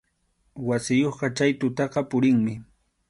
Wasiyuqqa chay tutaqa purinmi.